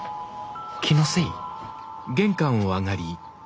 気のせい？